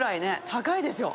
高いですよ！